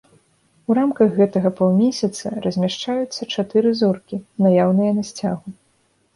У рамках гэтага паўмесяца размяшчаюцца чатыры зоркі, наяўныя на сцягу.